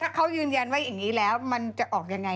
ถ้าเขายืนยันว่าอย่างนี้แล้วมันจะออกยังไง